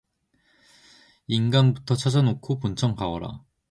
인감부터 찾아 놓고 본청 가거라